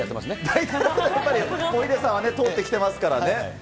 大体のことはやっぱり、ヒデさんは通ってきてますからね。